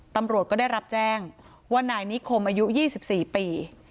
ตำรวจก็ได้รับแจ้งว่านายนิคมอายุ๒๔ปี